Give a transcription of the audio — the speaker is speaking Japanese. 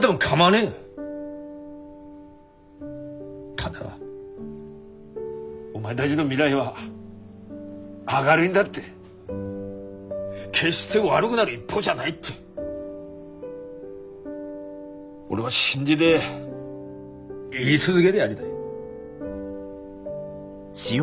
ただお前だぢの未来は明るいんだって決して悪ぐなる一方じゃないって俺は信じで言い続げでやりたい。